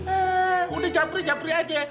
eh udah jafri jafri aja